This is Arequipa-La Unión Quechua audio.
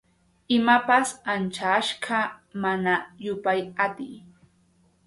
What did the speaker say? Imapas ancha achka, mana yupay atiy.